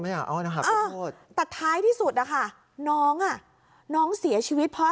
ไม่อยากเอานะหักข้าวโพดเออแต่ท้ายที่สุดนะคะน้องอ่ะน้องเสียชีวิตเพราะ